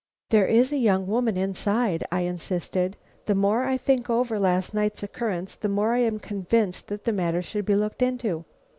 "There is a young woman inside," I insisted. "The more I think over last night's occurrence, the more I am convinced that the matter should be looked into."